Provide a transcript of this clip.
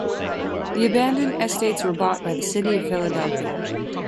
The abandoned estates were bought by the City of Philadelphia.